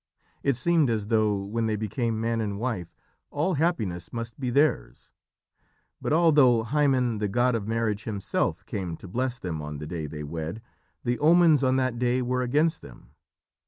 It seemed as though, when they became man and wife, all happiness must be theirs. But although Hymen, the god of marriage, himself came to bless them on the day they wed, the omens on that day were against them.